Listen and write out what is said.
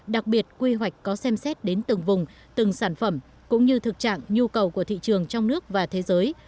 đặc biệt quy hoạch có xem xét đến từng vùng từng sản phẩm cũng như thực trạng nhu cầu của thị trường trong nước và thế giới